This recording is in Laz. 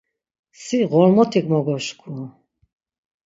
Si ğormotik mogoşku.